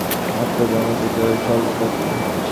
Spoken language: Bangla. আত্মা দেশকালের অতীত ও সর্বব্যাপী।